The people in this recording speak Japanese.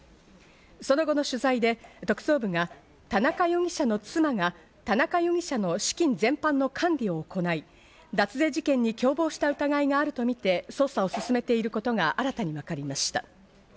その後の取材で特捜部が田中容疑者の妻が田中容疑者の資金全般の管理を行い、脱税事件に共謀した疑いがあるとみて捜査を進めていることが新たに分かりました。